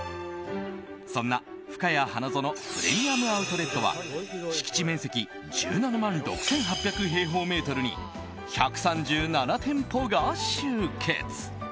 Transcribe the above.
そんな、ふかや花園プレミアム・アウトレットは敷地面積１７万６８００平方メートルに１３７店舗が集結。